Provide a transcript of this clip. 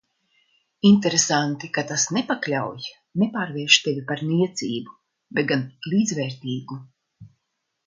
Interesanti, ka tas nepakļauj, nepārvērš tevi par niecību, bet gan līdzvērtīgu.